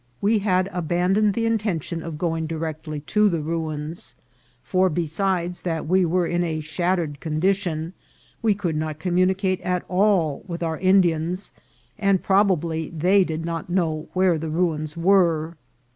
We had abandoned the intention of going directly to the ruins ; for, besides that we were in a shattered condition, we could not communicate at all with our Indians, and probably they did not know where the ruins were.